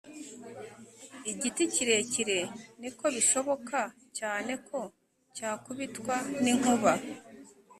igiti kirekire, niko bishoboka cyane ko cyakubitwa ninkuba